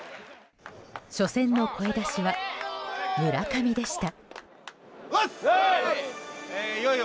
初戦の声出しは村上でした。